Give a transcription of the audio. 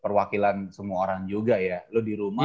perwakilan semua orang juga ya lo di rumah